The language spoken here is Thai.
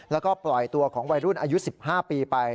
แล้วก็ปล่อยตัวของวัยรุ่นอายุ๑๕ปีไป